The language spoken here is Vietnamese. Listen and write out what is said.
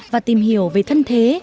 và tìm hiểu về thân thế